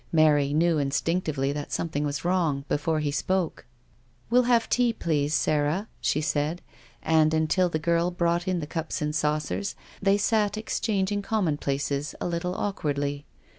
Mary knew instinctively that something was wrong, before he spoke. " We'll have tea, please, Sarah," she said, and, until the servant brought in the cups and saucers, they sat exchanging common places a little awkwardly.